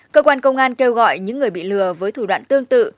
cơ quan công an kêu gọi những người bị lừa với thủ đoạn tương tự